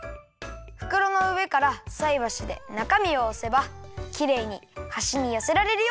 ふくろのうえからさいばしでなかみをおせばきれいにはしによせられるよ。